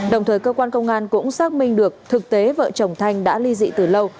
đồng thời cơ quan công an cũng xác minh được thực tế vợ chồng thanh đã ly dị từ lâu